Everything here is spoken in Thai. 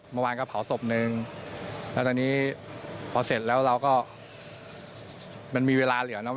เมื่อวานก็เผาศพหนึ่งแล้วตอนนี้พอเสร็จแล้วเราก็มันมีเวลาเหลือนะ